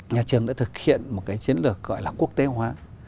nhà trường đã thực hiện một cái chiến lược gọi là quốc tế hóa